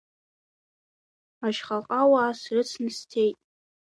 Ашьаҟауаа срыцны сцеит.